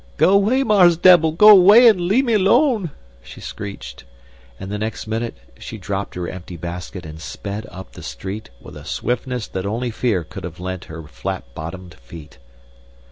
"Go 'way, Mars' Debbil! Go 'way an' lemme 'lone!" she screeched, and the next minute she dropped her empty basket and sped up the street with a swiftness that only fear could have lent her flat bottomed feet.